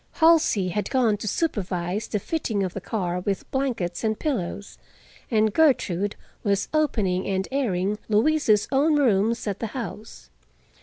Halsey had gone to supervise the fitting of the car with blankets and pillows, and Gertrude was opening and airing Louise's own rooms at the house.